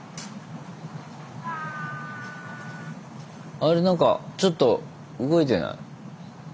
あれなんかちょっと動いてない？